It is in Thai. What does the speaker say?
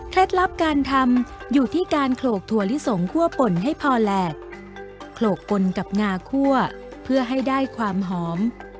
ลับการทำอยู่ที่การโขลกถั่วลิสงคั่วป่นให้พอแหลกโขลกปนกับงาคั่วเพื่อให้ได้ความหอม